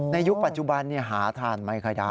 ยุคปัจจุบันหาทานไม่ค่อยได้